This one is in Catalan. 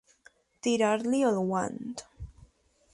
Tirar-li el guant.